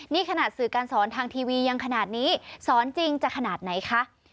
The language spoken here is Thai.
นี่ขนาดสื่อการสอนทางทีวียังขนาดนี้สอนจริงจะขนาดไหนคะ